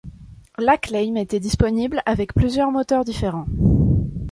L'Acclaim était disponible avec plusieurs moteurs différents.